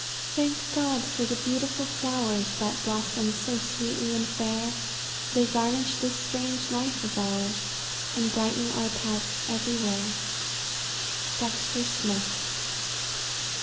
"Thank God for the beautiful flowers, That blossom so sweetly and fair; They garnish this strange life of ours, And brighten our paths everywhere." _Dexter Smith.